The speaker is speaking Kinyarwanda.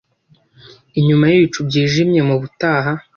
inyuma yibicu byijimye mubutaha